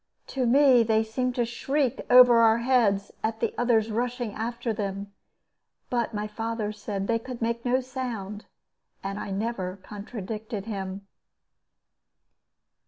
To me they seemed to shriek over our heads at the others rushing after them. But my father said that they could make no sound, and I never contradicted him.